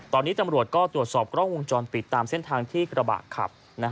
ตอนนี้ตำรวจก็ตรวจสอบกล้องวงจรปิดตามเส้นทางที่กระบะขับ